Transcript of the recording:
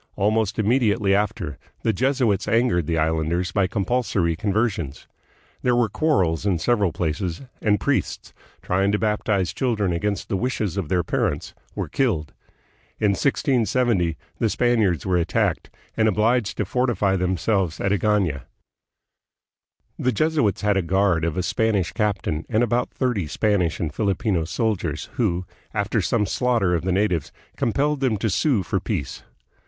Almost immediately after, the Jesuits angered the islanders by compulsory conversions. There were quarrels in several places, and priests, trying to baptize children against the wishes of their parents, were killed. In 1670 the Spaniards were attacked, and obliged to fortify themselves at Agana. A CENTURY OF OBSCURITY. 1663 1762. 215 The Jesuits had a guard of a Spanish captain and about thirty Spanish and Filipino soldiers, who, after some slaughter of the natives, compelled them to sue for peace.